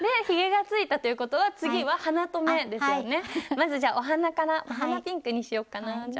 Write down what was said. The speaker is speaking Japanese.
まずじゃあお鼻からお鼻ピンクにしよっかなぁ。